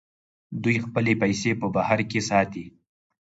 دوی خپلې پیسې په بهر کې ساتي.